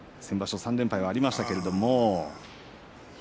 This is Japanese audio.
３連敗はありましたけれども。